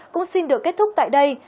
cũng xin được kết thúc tại đây